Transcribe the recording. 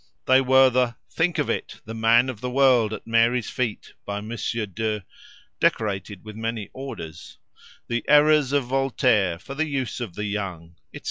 There were the "Think of it; the Man of the World at Mary's Feet, by Monsieur de , decorated with many Orders"; "The Errors of Voltaire, for the Use of the Young," etc.